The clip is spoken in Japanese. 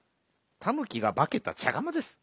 たぬきがばけたちゃがまです。